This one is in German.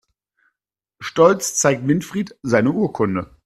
Stolz zeigt Winfried seine Urkunde.